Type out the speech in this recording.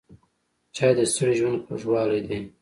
چای د ستړي ژوند خوږوالی دی.